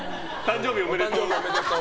誕生日おめでとう！